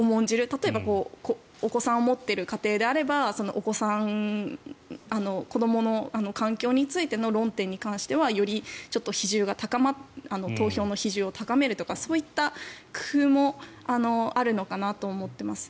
例えば、お子さんを持っている家庭であればそのお子さん子どもの環境についての論点に関してはより投票の比重を高めるとかそういった工夫もあるのかなと思っています。